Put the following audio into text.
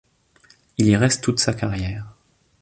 Il y reste toute sa carrière.